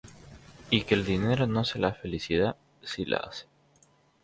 Y que el dinero no hace la felicidad: sí la hace"".